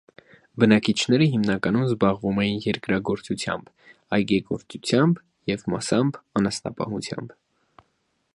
Բնակիչները հիմնականում զբաղվում էին երկրագործությամբ, այգեգործությամբ և մասամբ՝ անասնապահությամբ։